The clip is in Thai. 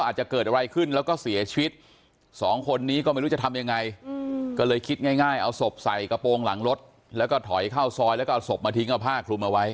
ใช่เอาศพใส่กระโปรงหลังรถแล้วก็ถอยเข้าซอยแล้วก็เอาศพมาทิ้งเอาผ้าคลุมเอาไว้